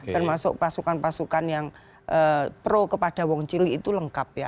termasuk pasukan pasukan yang pro kepada wong cili itu lengkap ya